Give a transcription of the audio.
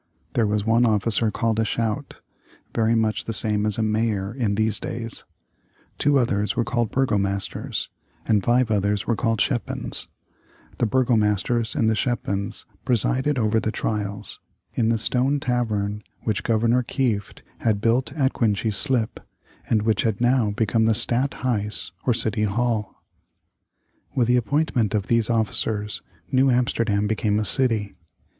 There was one officer called a schout, very much the same as a mayor is in these days. Two others were called burgomasters, and five others were called schepens. The burgomasters and the schepens presided over the trials, in the stone tavern which Governor Kieft had built at Coenties Slip, and which had now become the Stadt Huys or City Hall. [Illustration: The Old Stadt Huys of New Amsterdam.] With the appointment of these officers, New Amsterdam became a city.